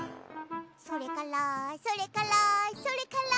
「それからそれからそれから」